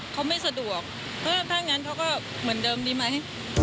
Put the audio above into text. เขาไม่สะดวกถ้างั้นเขาก็เหมือนเดิมดีไหม